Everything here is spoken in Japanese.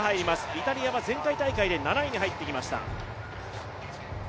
イタリアは前回大会で７位に入ってきました。